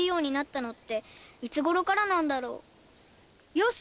よし！